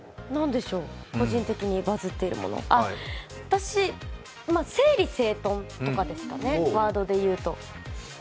個人的にバズっているもの、私、整理整頓とかですかね、ワードで言うと。